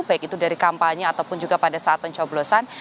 baik itu dari kampanye ataupun juga pada saat pencoblosan